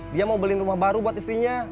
dia mau beli rumah baru buat istrinya